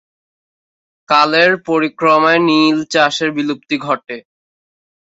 কালের পরিক্রমায় নীল চাষের বিলুপ্তি ঘটে।